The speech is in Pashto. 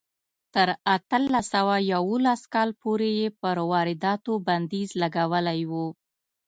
تر اتلس سوه یوولس کاله پورې یې پر وارداتو بندیز لګولی و.